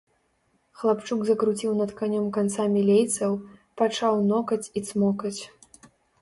Хлапчук закруціў над канём канцамі лейцаў, пачаў нокаць і цмокаць.